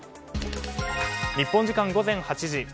日本時間午前８時。